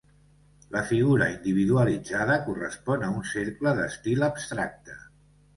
La figura individualitzada correspon a un cercle d'estil abstracte.